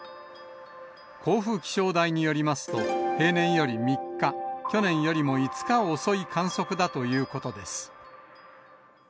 甲府気象台によりますと、平年より３日、去年よりも５日遅い観測だということです。